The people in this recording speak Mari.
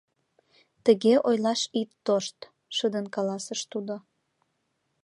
— Тыге ойлаш ит тошт! — шыдын каласыш тудо.